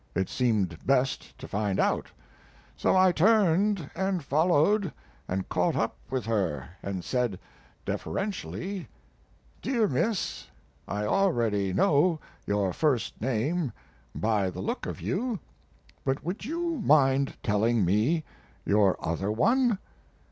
It seemed best to find out; so I turned and followed and caught up with her, and said, deferentially; "Dear Miss, I already know your first name by the look of you, but would you mind telling me your other one?"